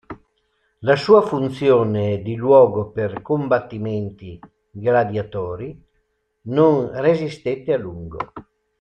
La sua funzione di luogo per combattimenti gladiatori non resistette a lungo.